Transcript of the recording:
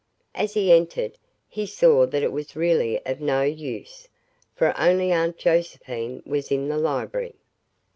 As he entered, he saw that it was really of no use, for only Aunt Josephine was in the library.